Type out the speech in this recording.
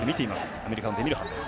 アメリカのデミルハンです。